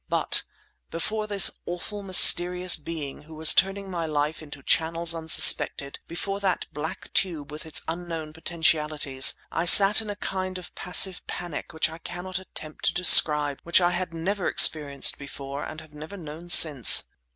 But before this awful, mysterious being who was turning my life into channels unsuspected, before that black tube with its unknown potentialities, I sat in a kind of passive panic which I cannot attempt to describe, which I had never experienced before and have never known since.